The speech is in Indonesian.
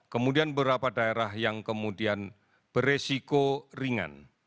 kemudian beberapa daerah yang kemudian beresiko ringan